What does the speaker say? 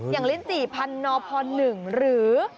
อย่างลิ้นจี่พันธุ์นอพอร์๑หรือ